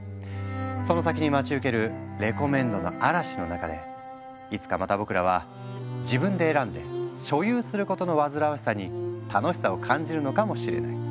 その先に待ち受けるレコメンドの嵐の中でいつかまた僕らは自分で選んで所有することの煩わしさに楽しさを感じるのかもしれない。